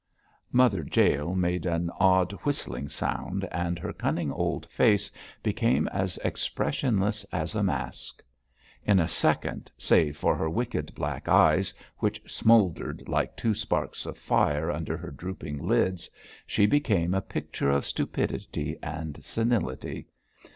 Mother Jael made an odd whistling sound, and her cunning old face became as expressionless as a mask. In a second, save for her wicked black eyes, which smouldered like two sparks of fire under her drooping lids, she became a picture of stupidity and senility.